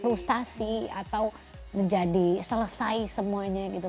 frustasi atau menjadi selesai semuanya gitu